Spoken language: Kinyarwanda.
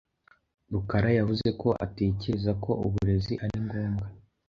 Rukara yavuze ko atekereza ko uburezi ari ngombwa.